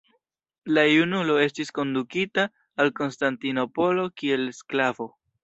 La junulo estis kondukita al Konstantinopolo kiel sklavo.